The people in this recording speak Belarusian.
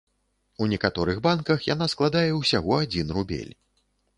У некаторых банках яна складае ўсяго адзін рубель.